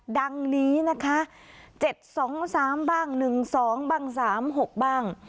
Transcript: ดังนี้นะคะ๗๒๓บ้าง๑๒บ้าง๓๖บ้าง